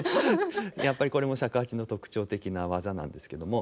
やっぱりこれも尺八の特徴的な技なんですけども。